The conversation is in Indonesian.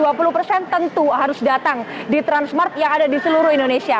anda harus datang di transmart yang ada di seluruh indonesia